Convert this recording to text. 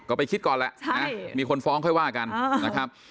ก็ไปคิดก่อนแหละมีคนฟ้องค่อยว่ากันนะครับ